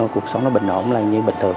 cuộc sống nó bình ổn như bình thường